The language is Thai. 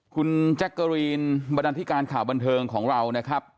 คุณแจ๊กเกอรีนบรรดันธิการข่าวบันเทิงของเรานะครับ